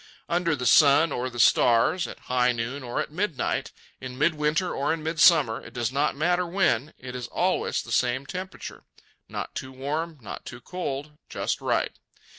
Under the sun or the stars, at high noon or at midnight, in midwinter or in midsummer, it does not matter when, it is always the same temperature—not too warm, not too cold, just right.